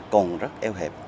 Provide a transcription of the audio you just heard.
còn rất eo hẹp